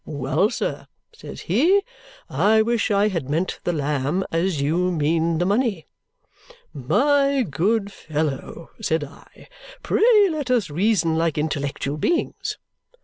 'Well, sir,' says he, 'I wish I had meant the lamb as you mean the money!' 'My good fellow,' said I, 'pray let us reason like intellectual beings.